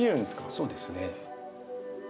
そうですね。